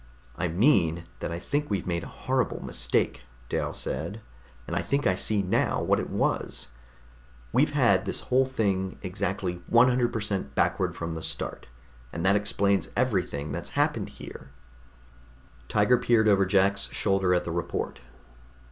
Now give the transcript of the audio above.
"I mean that I think we've made a horrible mistake," Dal said, "and I think I see now what it was. We've had this whole thing exactly 100 per cent backward from the start, and that explains everything that's happened here!" Tiger peered over Jack's shoulder at the report.